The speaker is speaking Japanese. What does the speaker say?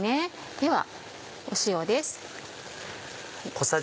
では塩です。